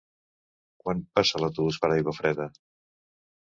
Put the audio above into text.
Quan passa l'autobús per Aiguafreda?